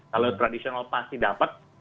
kalau tradisional pasti dapat